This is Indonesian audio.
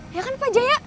ya kan pak jaya